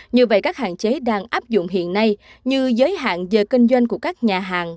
như vậy các hạn chế đang áp dụng hiện nay như giới hạn giờ kinh doanh của các nhà hàng